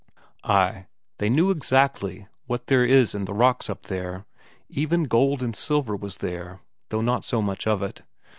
Ay, they knew exactly what there was in the rocks up there even gold and silver was there, though not so much of it.